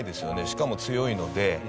しかも強いので。